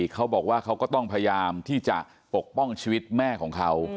เขาบอกว่าเขาก็ต้องพยายามที่จะปกป้องชีวิตแม่ของเขา